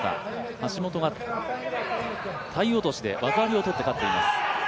橋本が体落で技ありをとって勝っています。